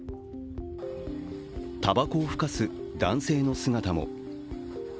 たばこをふかす男性の姿も。